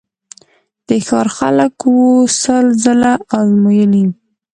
د ښار خلکو وو سل ځله آزمېیلی